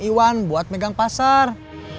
iwan buat megang pasar